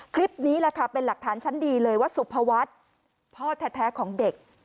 คลิปนี้แหละค่ะเป็นหลักฐานชั้นดีเลยว่าสุภวัฒน์พ่อแท้ของเด็ก